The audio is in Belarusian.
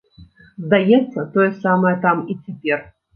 Здаецца, тое самае там і цяпер.